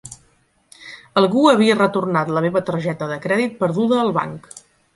Algú havia retornat la meva targeta de crèdit perduda al banc.